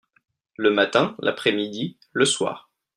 Le matin/L'après-midi/Le soir.